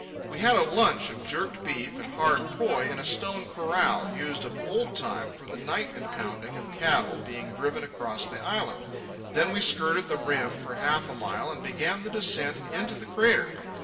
We had a lunch of jerked beef and hard poi in a stone corral, used of old time for the night impounding of cattle being driven across the island. Then we skirted the rim for half a mile and began the descent into the crater.